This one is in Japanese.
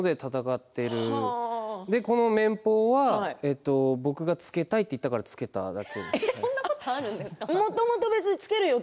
それで、この面甲は僕がつけたいと思ったからつけただけです。